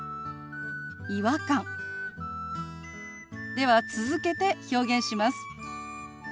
では続けて表現します。